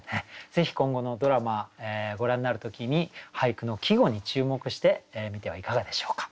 ぜひ今後のドラマご覧になる時に俳句の季語に注目して見てはいかがでしょうか。